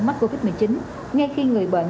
mắc covid một mươi chín ngay khi người bệnh